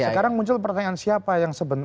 sekarang muncul pertanyaan siapa yang sebenarnya